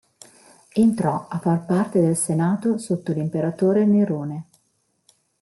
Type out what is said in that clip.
Entrò a far parte del senato sotto l'imperatore Nerone.